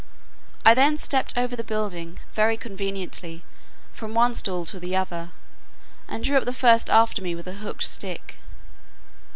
I then stept over the building very conveniently from one stool to the other, and drew up the first after me with a hooked stick.